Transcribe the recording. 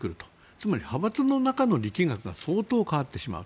つまり派閥の中の力学が相当変わってしまう。